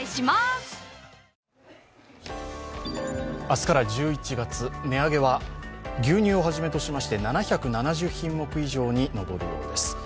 明日から１１月、値上げは牛乳をはじめとしまして７７０品目以上に上るようです。